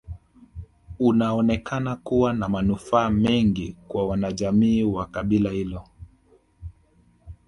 Unaonekana kuwa na manufaa mengi kwa wanajamii wa kabila hilo